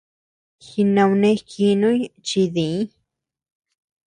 Jinaunejinuñ chi diñ.